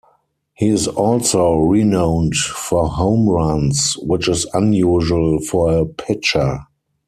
He is also renowned for home runs, which is unusual for a pitcher.